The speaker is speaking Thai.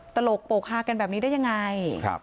ตลกโปรกฮากันแบบนี้ได้ยังไง